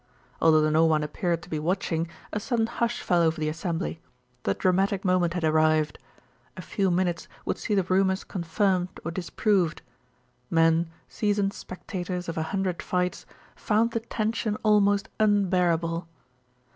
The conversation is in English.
Although no one appeared to be watching, a sudden hush fell over the assembly. The dramatic moment had arrived. A few minutes would see the rumours confirmed or disproved. Men, seasoned spectators of a hundred fights, found the tension almost unbearable.